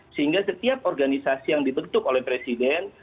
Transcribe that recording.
sehingga setiap organisasi yang dibentuk oleh presiden